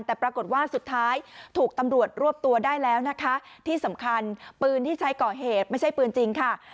แต่ปรากฏว่าสุดท้ายถูกตำรวจรวบตัวได้แล้วนะคะที่สำคัญปืนที่ใช้ก่อเหตุไม่ใช่ปืนจริงค่ะ